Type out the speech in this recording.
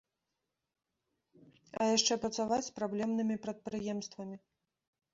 А яшчэ працаваць з праблемнымі прадпрыемствамі.